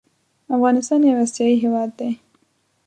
افغانستان يو اسياى هيواد دى